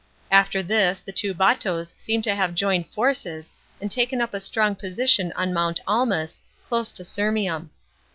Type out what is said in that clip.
After this the two Batos seem to have joined forces and taken up a strong position on Mount Almas, close to Sirmium.